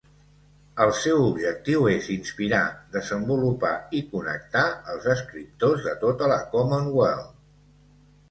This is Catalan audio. El seu objectiu és inspirar, desenvolupar i connectar els escriptors de tota la Commonwealth.